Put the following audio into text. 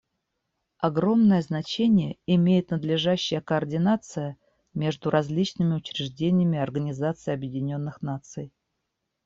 Огромное значение имеет надлежащая координация между различными учреждениями Организации Объединенных Наций.